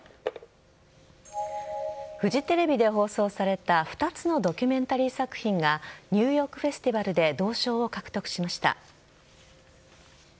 フジテレビで放送された２つのドキュメンタリー作品がニューヨーク・フェスティバルで銅賞を獲得しました。